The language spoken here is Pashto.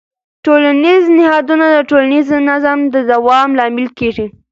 ټولنیز نهادونه د ټولنیز نظم د دوام لامل کېږي.